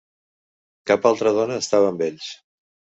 Cap altra dona estava amb ells.